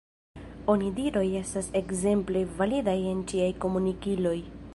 Onidiroj estas ekzemploj validaj en ĉiaj komunikiloj.